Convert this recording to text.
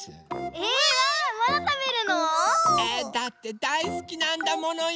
えだってだいすきなんだものやきいも！